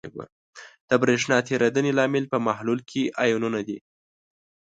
د برېښنا تیریدنې لامل په محلول کې آیونونه دي.